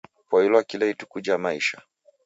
Poilwa kila ituku ja maisha.